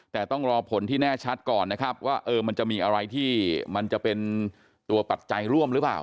แต่ต้องรอผลที่แน่ชัดก่อนนะครับว่ามันจะมีอะไรที่มันจะเป็นตัวปัจจัยร่วมหรือเปล่า